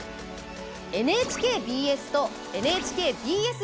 ＮＨＫＢＳとＮＨＫＢＳ